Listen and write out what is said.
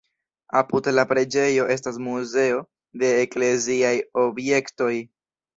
Apud la preĝejo estas muzeo de ekleziaj objektoj.